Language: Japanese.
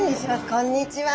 こんにちは！